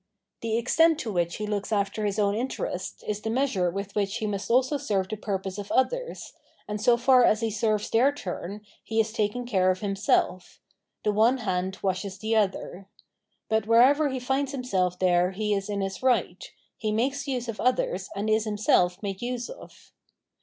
The extent to which he looks after his own interests is the measure with which he must also serve the purpose of others, and so far as he serves their turn, he is taking care of hims elf : the one hand washes the other. But wherever he finds himself there he is in his right: he makeis use of others and is himself made use of.